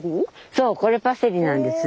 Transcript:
そうこれパセリなんです。